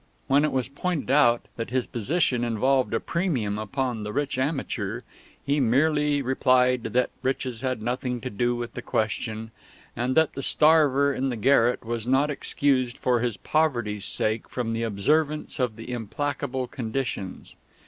When it was pointed out that his position involved a premium upon the rich amateur, he merely replied that riches had nothing to do with the question, and that the starver in the garret was not excused for his poverty's sake from the observance of the implacable conditions.